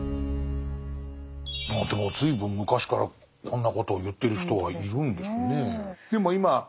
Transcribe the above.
でも随分昔からこんなことを言ってる人がいるんですね。